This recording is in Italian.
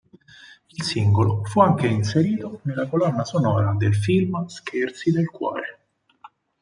Il singolo fu anche inserito nella colonna sonora del film "Scherzi del cuore".